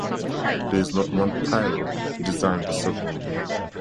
There is not one pirogue design, but several.